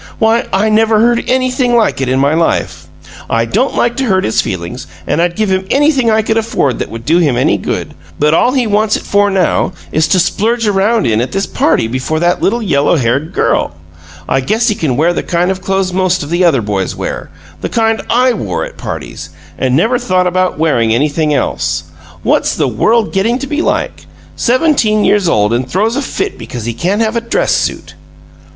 Why, I never heard anything like it in my life! I don't like to hurt his feelings, and I'd give him anything I could afford that would do him any good, but all he wants it for now is to splurge around in at this party before that little yellow haired girl! I guess he can wear the kind of clothes most of the other boys wear the kind I wore at parties and never thought of wearing anything else. What's the world getting to be like? Seventeen years old and throws a fit because he can't have a dress suit!"